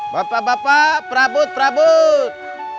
bapak bapak prabut prabut